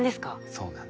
そうなんです。